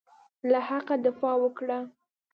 له حقه دفاع وکړه.